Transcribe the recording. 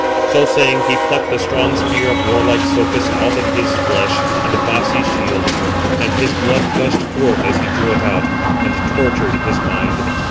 So saying, he plucked the strong spear of warlike Socus out of his flesh and bossy shield; and his blood gushed forth as he drew it out, and tortured his mind.